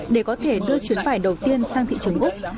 để có thể đưa chuyến vải đầu tiên sang thị trường úc